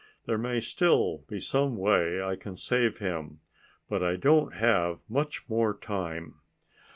There may still be some way I can save him. But I don't have much more time."